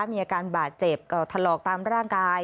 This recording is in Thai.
มีอาการบาดเจ็บก็ถลอกตามร่างกาย